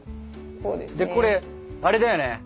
これあれだよね